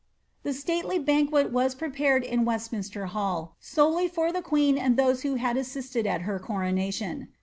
A stately banquet was prepared in Westminster Hall, solely for the queen and those who had assisted at her coronation.